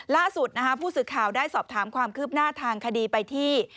ล่าสุดผู้สื่อข่าวได้สอบถามความคืบหน้าทางคดีไปที่